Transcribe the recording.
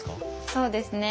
そうですね。